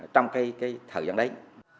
trong cái thời gian đấy